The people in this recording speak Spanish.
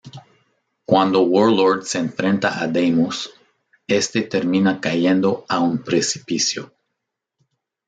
Cuando Warlord se enfrenta a Deimos, este termina cayendo a un precipicio.